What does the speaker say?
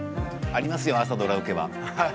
ありますよ、朝ドラ受けは。